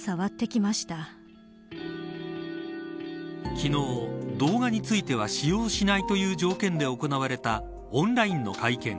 昨日、動画については使用しないという条件で行われたオンラインの会見。